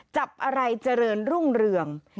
จับอะไรเจริญรุ่งเรือง